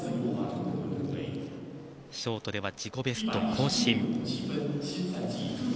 ショートでは自己ベスト更新。